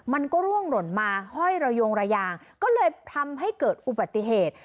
มันก็ร่วงหล่นมาห้อยระยงระยางก็เลยทำให้เกิดอุบัติเหตุ